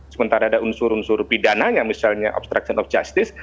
sementara ada unsur unsur pidananya misalnya obstruction of justice